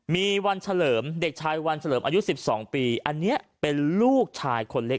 มีวันเฉลิมเด็กชายวันเฉลิมอายุ๑๒ปีอันนี้เป็นลูกชายคนเล็ก